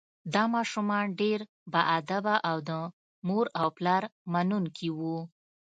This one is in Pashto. دا ماشومان ډیر باادبه او د مور او پلار منونکي وو